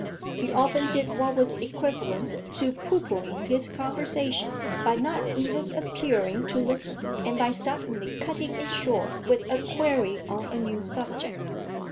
He often did what was equivalent to poohpoohing his conversation by not even appearing to listen, and by suddenly cutting it short with a query on a new subject.